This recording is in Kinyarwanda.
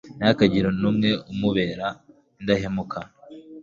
ntihakagire n'umwe umubera indahemuka